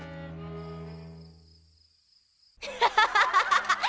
アハハハハハ！